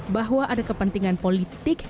bahwa ada kepentingan politik